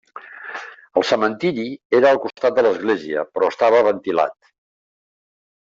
El cementiri era al costat de l'església, però estava ventilat.